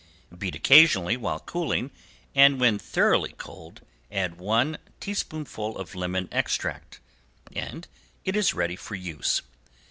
Beat occasionally while cooling, and when thoroughly cold add one teaspoonful of lemon extract, and it is ready for use.